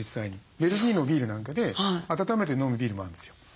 ベルギーのビールなんかで温めて飲むビールもあるんですよ。